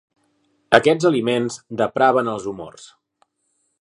Aquests aliments depraven els humors.